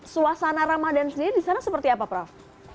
suasana ramadan sendiri di sana seperti apa prof